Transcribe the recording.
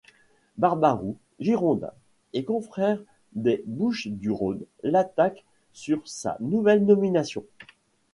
Barbaroux, girondin, et confrère des Bouches-du-Rhône l'attaque sur sa nouvelle nomination.